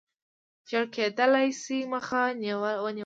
ژر کېدلای شي مخه ونیوله شي.